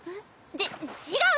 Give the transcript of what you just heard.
ち違う！